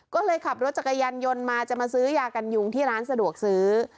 ก็เลยขับรถจักรยานยนต์มาจะมาซื้อยากันยุงที่ร้านสะดวกซื้อ